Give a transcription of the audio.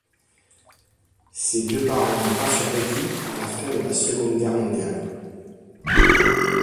Ses deux parents n’ont pas survécu à la fin de la Seconde Guerre mondiale.